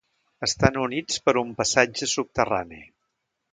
Estan units per un passatge subterrani.